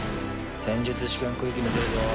戦術試験区域に出るぞ。